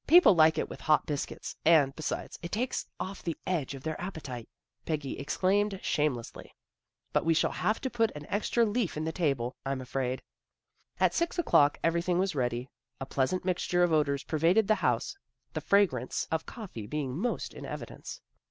People like it with hot biscuit, and, besides, it takes off the edge of their appetite," Peggy explained shamelessly. " But we shall have to put an extra leaf in the table, I'm afraid." At six o'clock everything was ready. A pleasant mixture of odors pervaded the house, the fragrance of coffee being most in evidence.